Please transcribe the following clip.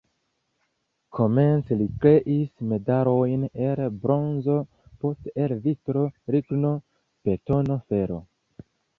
Komence li kreis medalojn el bronzo, poste el vitro, ligno, betono, fero.